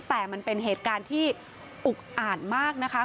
แต่มันเป็นเหตุการณ์ที่อุกอ่านมากนะคะ